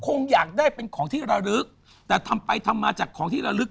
คงอยากได้เป็นของที่ระลึกแต่ทำไปทำมาจากของที่ระลึก